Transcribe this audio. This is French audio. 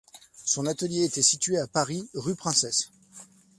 Son atelier était situé à Paris, rue Princesse.